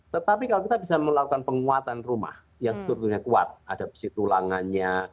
tetapi kalau kita bisa melakukan penguatan rumah yang sebetulnya kuat ada besi tulangannya